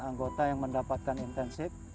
anggota yang mendapatkan intensif